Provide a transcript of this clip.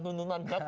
itu juga satu faktor